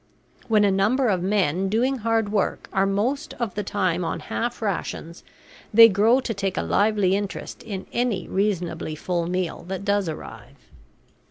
When a number of men, doing hard work, are most of the time on half rations, they grow to take a lively interest in any reasonably full meal that does arrive.